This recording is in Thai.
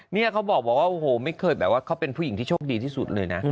นี่เขาบอกว่าโอ้โหไม่เคยแบบว่าเขาเป็นผู้หญิงที่โชคดีที่สุดเลยนะ